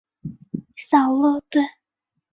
小乐队。